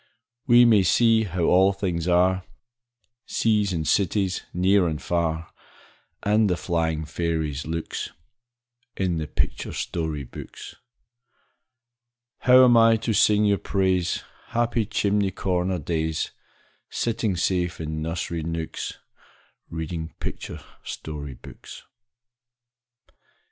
We may see how all things are, Seas and cities, near and far, And the flying fairies' looks, In the picture story books. How am I to sing your praise, Happy chimney corner days, Sitting safe in nursery nooks, Reading picture story books?